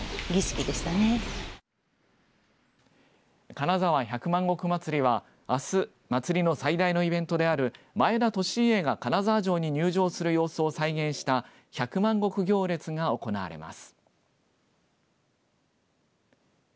金沢百万石まつりはあす、祭りの最大のイベントである前田利家が金沢城に入城する様子を再現した百万石行列が行われます。